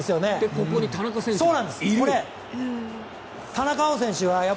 ここに田中選手がいる。